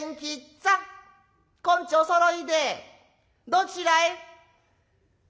今日おそろいでどちらへ？」。